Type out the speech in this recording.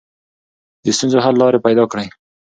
د ستونزو حل لارې پیدا کړئ.